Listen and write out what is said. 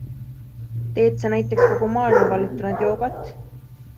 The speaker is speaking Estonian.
Teed sa näiteks kogu maailma vallutanud joogat?